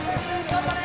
頑張れ！